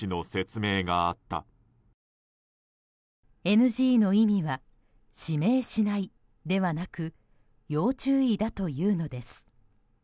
ＮＧの意味は指名しないではなく要注意だというのです。